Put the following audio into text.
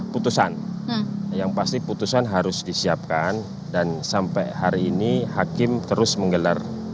putusan yang pasti putusan harus disiapkan dan sampai hari ini hakim terus menggelar